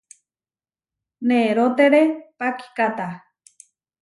Nerótere pakikáta.